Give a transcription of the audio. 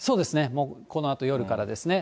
もうこのあと夜からですね。